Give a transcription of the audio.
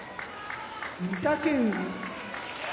御嶽海